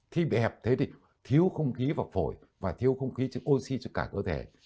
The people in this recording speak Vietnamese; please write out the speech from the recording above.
khi bị hẹp thế thì thiếu không khí và phổi và thiếu không khí oxy cho cả cơ thể